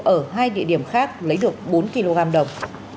ở hai địa điểm khác lấy được bốn kg đồng